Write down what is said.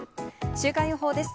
週間予報です。